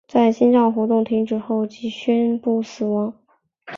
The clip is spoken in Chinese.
在心脏活动停止后即宣布死亡。